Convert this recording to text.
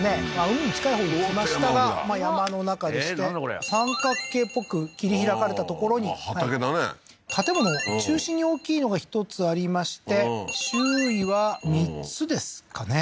海に近いほうに行きましたがまあ山の中でして三角形っぽく切り拓かれた所に畑だね建物中心に大きいのが１つありまして周囲は３つですかね？